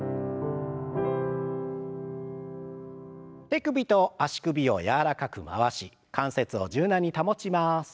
手首と足首を柔らかく回し関節を柔軟に保ちます。